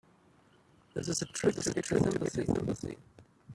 This is a trick to get your sympathy.